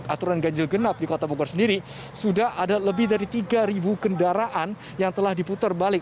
aturan ganjil genap di kota bogor sendiri sudah ada lebih dari tiga kendaraan yang telah diputar balik